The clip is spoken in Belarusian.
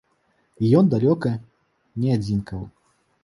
І ён далёка не адзінкавы.